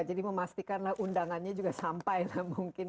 jadi memastikanlah undangannya juga sampai mungkin